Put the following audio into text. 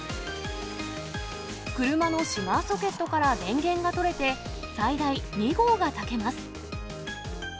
車のシガーソケットから電源が取れて、最大２合が炊けます。